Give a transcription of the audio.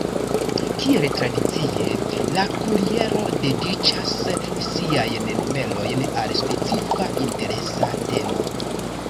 Kiel tradicie la Kuriero dediĉas siajn numerojn al specifa interesa temo.